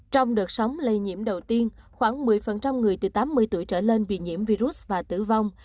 trong đợt sóng lây nhiễm đầu tiên khoảng một mươi người từ tám mươi tuổi trở lên bị nhiễm virus và tử vong